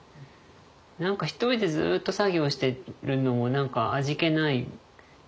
何か一人でずっと作業してるのも何か味気ないですけど。